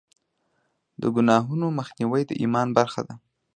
د ګناهونو مخنیوی د ایمان برخه ده.